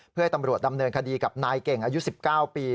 เพื่อให้ตำรวจดำเนินคดีกับนายเก่งอายุ๑๙ปี